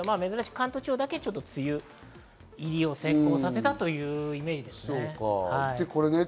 関東地方だけ梅雨入りを先行させたというイメージです。